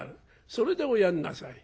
それでおやんなさい」。